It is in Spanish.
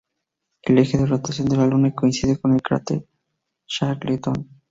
El eje de rotación de la Luna coincide con el cráter Shackleton.